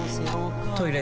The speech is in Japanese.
トイレ